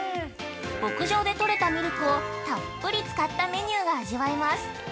牧場で取れたミルクをたっぷり使ったメニューが味わえます。